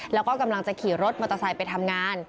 แล้วก็กำลังจะขี่รถมอเตอร์ไซค์ไปทำงาน